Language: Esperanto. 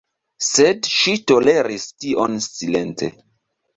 Sed ŝi toleris tion silente.